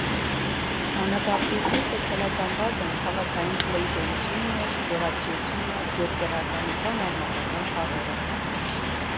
Անաբապտիզմի սոցիալական բազան քաղաքային պլեբեյությունն էր, գյուղացիությունը, բյուրգերականության արմատական խավերը։